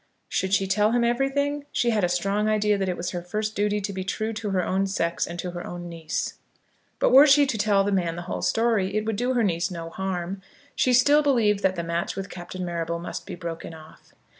Should she tell him everything? She had a strong idea that it was her first duty to be true to her own sex and to her own niece. But were she to tell the man the whole story it would do her niece no harm. She still believed that the match with Captain Marrable must be broken off.